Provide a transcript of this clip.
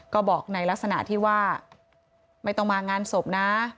ก็บอกในลักษณะที่ว่าไม่ต้องมางานศพนะ